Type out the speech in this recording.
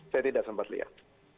saya tidak sempat lihat